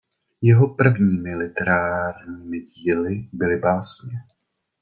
Jeho prvními literárními díly byly básně.